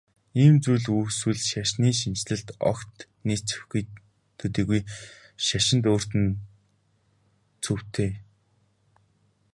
Ийм зүйл үүсвэл шашны шинэчлэлд огт нийцэхгүй төдийгүй шашинд өөрт нь цөвтэй.